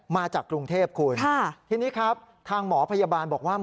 มาจากกรุงเทพคุณทีนี้ครับทางหมอพยาบาลบอกว่า